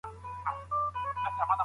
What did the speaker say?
که ډیجیټل کتاب وي نو خنډ نه پیدا کیږي.